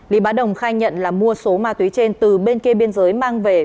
lý bá đồng khai nhận là mua số ma túy trên từ bên kia biên giới mang về